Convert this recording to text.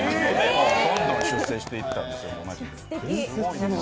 どんどん出世していったんです。